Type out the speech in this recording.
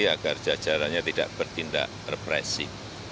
agar jajarannya tidak bertindak represi